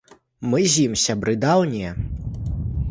Мы з ім сябры даўнія.